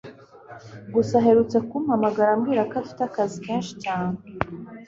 gusa aherutse kumpamagara ambwira ko afite akazi kenshi cyane